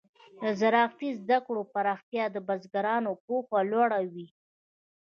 د زراعتي زده کړو پراختیا د بزګرانو پوهه لوړه وي.